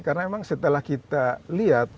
karena memang setelah kita lihat